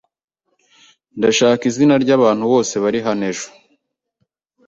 Ndashaka izina ryabantu bose bari hano ejo.